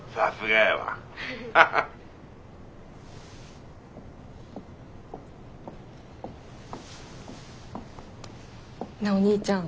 ハハッ。なあお兄ちゃん。